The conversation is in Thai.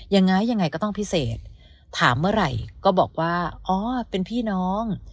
ยังไงยังไงก็ต้องพิเศษถามเมื่อไหร่ก็บอกว่าอ๋อเป็นพี่น้อง